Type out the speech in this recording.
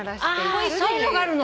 あそういうのがあるの？